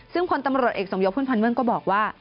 ซึ่งพลตำรวจเอกสมยศพุ่มพันธ์เมืองก็บอกว่า